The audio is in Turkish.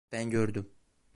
Ben gördüm.